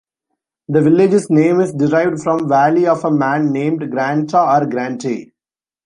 The village's name is derived from 'valley of a man named Granta or Grante'.